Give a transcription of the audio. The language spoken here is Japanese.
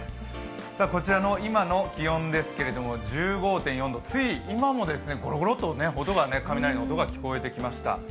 こちらの今の気温ですけれども１５．４度、つい今も、ゴロゴロと雷の音が聞こえてきました。